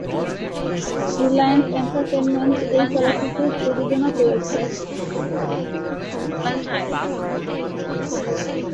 Reliance entertainment এই চলচ্চিত্রের প্রযোজনা করেছে।